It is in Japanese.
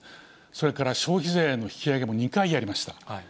それから消費税の引き上げも２回やりました。